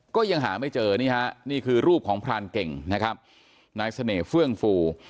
ก็ยังหาไม่เจอนี่ฮะนี่คือรูปของพรานเก่งนะครับนายเสน่ห์เฟื่องฟู